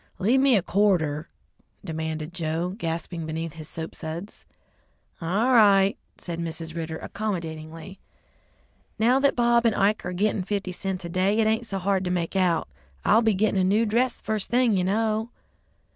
"Leave me a quarter," demanded Joe, gasping beneath his soap suds. "All right," said Mrs. Ridder accommodatingly; "now that Bob and Ike are gitting fifty cents a day, it ain't so hard to make out. I'll be gittin' a new dress first thing, you know."